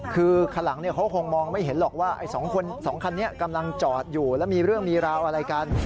คือคันหลังเขาคงมองไม่เห็นหรอกว่า๒คันนี้กำลังจอดอยู่แล้วมีเรื่องมีราวอะไรกัน